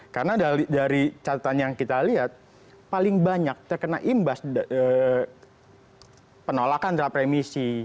karena dari catatan yang kita lihat paling banyak terkena imbas penolakan drap remisi